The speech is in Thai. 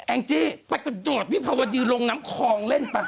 แอ้งจี้ไปสะโจทย์พี่ภาวะดีลงน้ำคองเล่นป่ะ